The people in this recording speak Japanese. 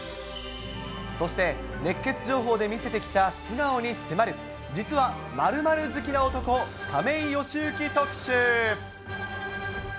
そして熱ケツ情報で見せてきた素顔に迫る、実は○○好きな男、亀井善行特集。